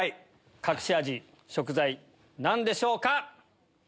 隠し味食材何でしょうか？